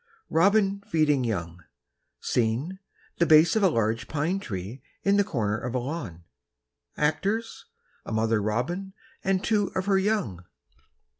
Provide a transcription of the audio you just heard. Robin Feeding Young: Scene, the base of a large pine tree in the corner of a lawn; actors, a mother robin and two of her young.